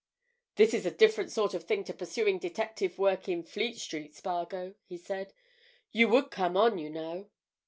"This is a different sort of thing to pursuing detective work in Fleet Street, Spargo," he said. "You would come on, you know."